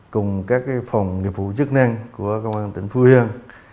cùng các phòng nghiệp vụ chức năng của công an tỉnh phú yên